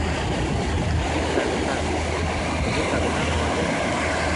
Itagataga gumutaganana na wa bene.